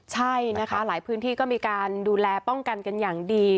ใช่นะคะหลายพื้นที่ก็มีการดูแลป้องกันกันอย่างดี